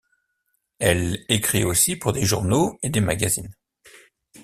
Elle écrit aussi pour des journaux et des magazines.